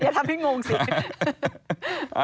อย่าทำให้งงสิ